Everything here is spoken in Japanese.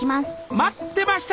待ってました！